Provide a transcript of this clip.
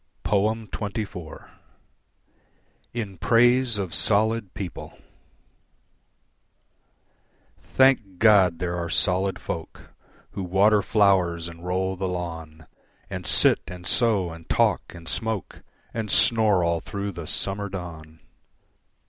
XXIV. In Praise of Solid People Thank God that there are solid folk Who water flowers and roll the lawn, And sit an sew and talk and smoke, And snore all through the summer dawn.